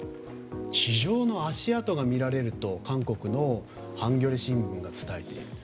地上の足跡が見られると韓国のハンギョレ新聞が伝えている。